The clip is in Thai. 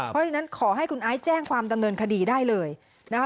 เพราะฉะนั้นขอให้คุณไอซ์แจ้งความดำเนินคดีได้เลยนะคะ